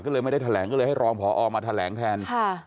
ก็เลยไม่ได้แถลงก็เลยให้รองพอมาแถลงแทน